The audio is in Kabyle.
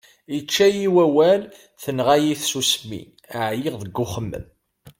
Ičča-yi wawal, tenɣa-yi tsusmi, εyiɣ deg uxemmem.